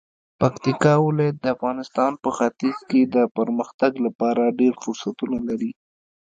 پکتیکا ولایت د افغانستان په ختیځ کې د پرمختګ لپاره ډیر فرصتونه لري.